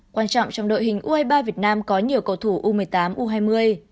quan trọng trong đội hình u hai mươi ba việt nam có nhiều cầu thủ u một mươi tám u hai mươi